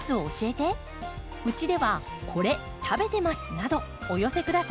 などお寄せください。